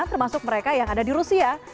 termasuk mereka yang ada di rusia